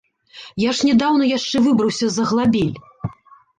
Я ж нядаўна яшчэ выбраўся з аглабель!